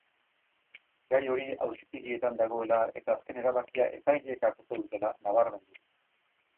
Gai hori auzitegietan dagoela eta azken erabakia epaileek hartuko dutela nabarmendu du.